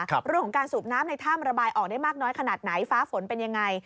เรื่องของการสูบน้ำในถ้ำระบายออกได้มากน้อยขนาดไหนฟ้าฝนเป็นยังไง